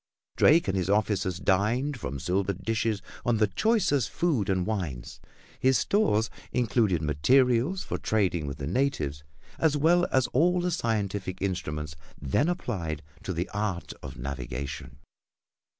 Drake and his officers dined from silver dishes on the choicest food and wines. His stores included materials for trading with the natives, as well as all the scientific instruments then applied to the art of navigation.